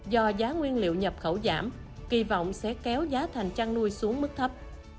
do giá nguyên liệu nhập khẩu giảm kỳ vọng sẽ kéo giá thành chăn nuôi xuống mức thấp